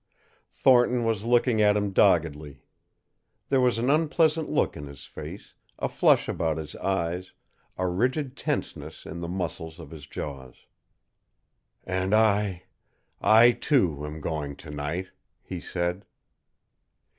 Thornton was looking at him doggedly. There was an unpleasant look in his face, a flush about his eyes, a rigid tenseness in the muscles of his jaws. "And I I, too, am going to night," he said.